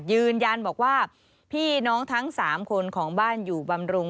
ยืนยันบอกว่าพี่น้องทั้ง๓คนของบ้านอยู่บำรุง